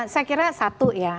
saya kira satu ya